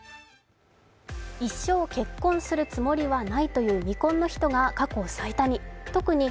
「一生結婚するつもりはない」という未婚の人が過去最多に。